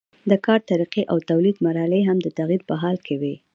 د کار طریقې او د تولید مرحلې هم د تغییر په حال کې وي.